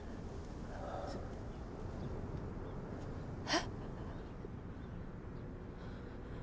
えっ？